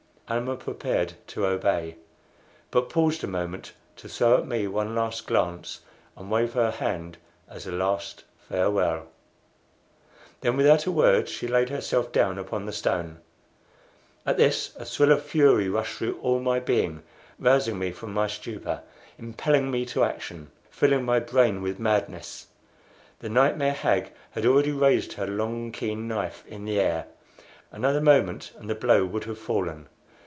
Almah prepared to obey, but paused a moment to throw at me one last glance and wave her hand as a last farewell. Then without a word she laid herself down upon the stone. At this a thrill of fury rushed through all my being, rousing me from my stupor, impelling me to action, filling my brain with madness. The nightmare hag had already raised her long keen knife in the air. Another moment and the blow would have fallen.